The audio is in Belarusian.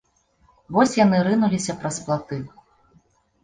Вось яны рынуліся праз платы.